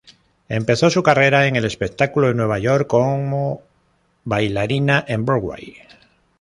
Empezó su carrera en el espectáculo en Nueva York como bailarina en Broadway.